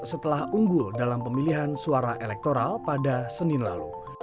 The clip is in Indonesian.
setelah unggul dalam pemilihan suara elektoral pada senin lalu